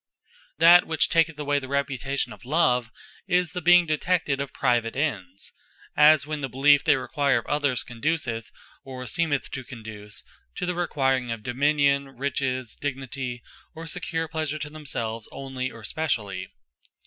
That which taketh away the reputation of Love, is the being detected of private ends: as when the beliefe they require of others, conduceth or seemeth to conduce to the acquiring of Dominion, Riches, Dignity, or secure Pleasure, to themselves onely, or specially.